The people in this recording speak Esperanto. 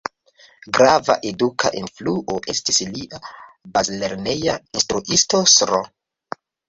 Grava eduka influo estis lia bazlerneja instruisto Sro.